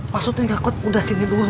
maksudnya gak kuat udah sini dulu